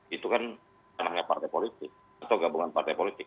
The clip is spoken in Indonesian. itu kan namanya partai politik atau gabungan partai politik